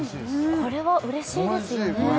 これは嬉しいですよね